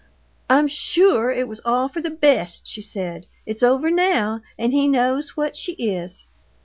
"I'm sure it was all for the best," she said. "It's over now, and he knows what she is.